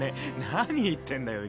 何言ってんだよ